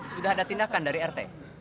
sudah ada tindakan dari rt